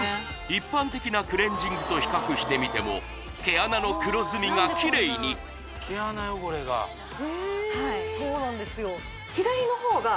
一般的なクレンジングと比較してみても毛穴の黒ずみがキレイに毛穴汚れがそうなんですよ